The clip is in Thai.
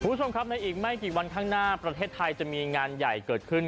คุณผู้ชมครับในอีกไม่กี่วันข้างหน้าประเทศไทยจะมีงานใหญ่เกิดขึ้น